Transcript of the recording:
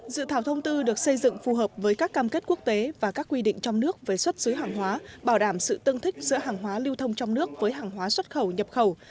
dự thảo thông tư được xây dựng phù hợp với các cam kết quốc tế và các quy định trong nước về xuất xứ hàng hóa bảo đảm sự tương thích giữa hàng hóa lưu thông trong nước với hàng hóa xuất khẩu nhập khẩu